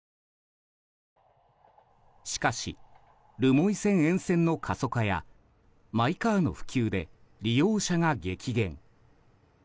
しかし、留萌線沿線の過疎化やマイカーの普及で利用者が激減。